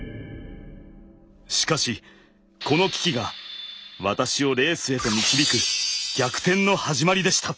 しかしこの危機が私をレースへと導く逆転の始まりでした。